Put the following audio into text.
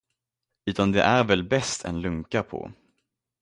Utan det är väl bäst en lunkar på.